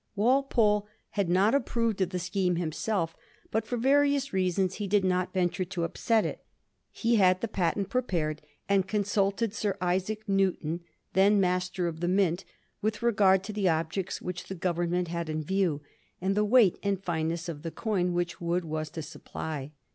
Walpole had not approved of the scheme himself, but for various reasons he did not ventm*e to upset it. He had the patent prepared, and consulted Sir Isaac Newton, then Master of the Mint, with regard to the objects which the Government had in view, and the weight and fineness of the coin which Wood was to supply.